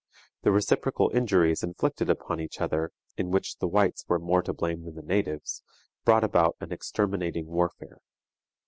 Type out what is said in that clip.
The reciprocal injuries inflicted upon each other, in which the whites were more to blame than the natives, brought about an exterminating warfare.